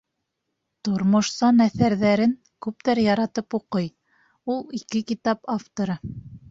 Тормошсан әҫәрҙәрен күптәр яратып уҡый, ул — ике китап авторы.